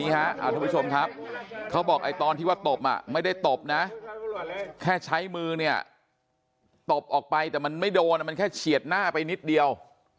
หนูเนี่ยตบออกไปแต่มันไม่โดนมันแค่เฉียดหน้าไปนิดเดียว